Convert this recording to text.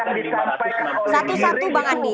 satu satu bang andi